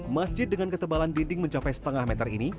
masjid dengan ketebalan dinding mencapai setengah meter ini